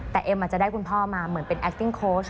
แต่เอ็มอาจจะได้คุณพ่อมาเหมือนเป็นแอคติ้งโค้ช